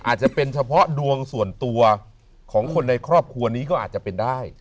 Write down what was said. อาจจะเป็นเฉพาะดวงส่วนตัวของคนในครอบครัวนี้ก็อาจจะเป็นได้